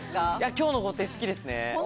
きょうの豪邸、好きですね。